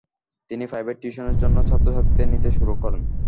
তিনি প্রাইভেট টিউশনের জন্য ছাত্রছাত্রীদের নিতে শুরু করেন।